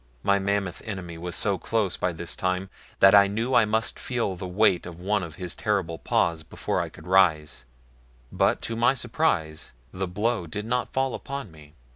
My mammoth enemy was so close by this time that I knew I must feel the weight of one of his terrible paws before I could rise, but to my surprise the blow did not fall upon me.